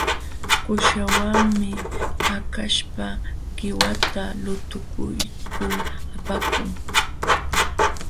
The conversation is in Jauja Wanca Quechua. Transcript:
Kuuśhawanmi hakaśhpa qiwata lutuykul apakun.